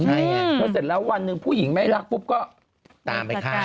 ใช่ไงพอเสร็จแล้ววันหนึ่งผู้หญิงไม่รักปุ๊บก็ตามไปฆ่า